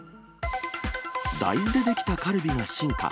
大豆で出来たカルビが進化。